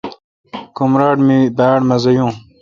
کمراٹ می باڑ مزا یون۔